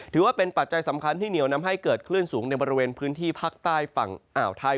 ปัจจัยสำคัญที่เหนียวนำให้เกิดคลื่นสูงในบริเวณพื้นที่ภาคใต้ฝั่งอ่าวไทย